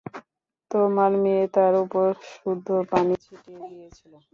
তোমার মেয়ে তার উপর শুদ্ধ পানি ছিটিয়ে দিয়েছিল।